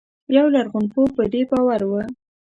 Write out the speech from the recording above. یو لرغونپوه په دې باور و.